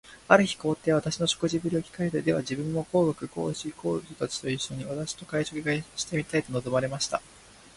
ある日、皇帝は私の食事振りを聞かれて、では自分も皇后、皇子、皇女たちと一しょに、私と会食がしてみたいと望まれました。